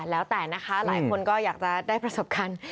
แล้วแต่ว่าเราลายคนก็อยากจะได้ประสบคัน